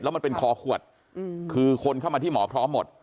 มันเป็นคอขวดคือคนเข้ามาที่หมอพร้อมหมด